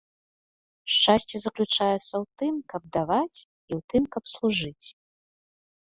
Шчасце заключаецца ў тым, каб даваць, і ў тым, каб служыць.